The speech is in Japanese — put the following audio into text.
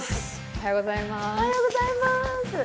おはようございます！